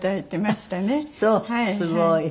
すごい！